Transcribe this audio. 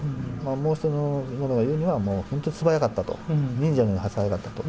もう１人の者が言うには、もう本当に素早かったと、忍者のように早かったと。